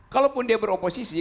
kalaupun dia beroposisi